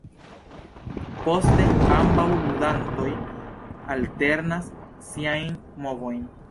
Poste ambaŭ ludantoj alternas siajn movojn.